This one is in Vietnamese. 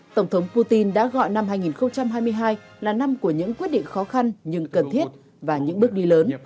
tổng thống putin đã gọi năm hai nghìn hai mươi hai là năm của những quyết định khó khăn nhưng cần thiết và những bước đi lớn